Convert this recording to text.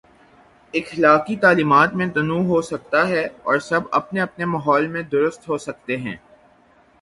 اخلاقی تعلیمات میں تنوع ہو سکتا ہے اور سب اپنے اپنے ماحول میں درست ہو سکتے ہیں۔